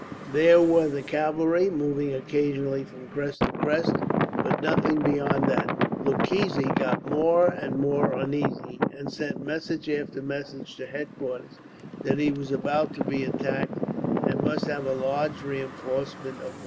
There were the cavalry, moving occasionally from crest to crest, but nothing beyond that. Lucchesi got more and more uneasy, and sent message after message to headquarters that he was about to be attacked, and must have a large reinforcement of horse.